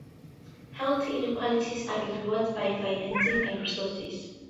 Health inequalities are influence by finances and resources.